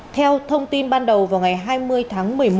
theo thông tin ban đầu vào ngày hai mươi tháng một mươi một